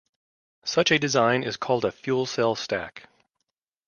Such a design is called a "fuel cell stack".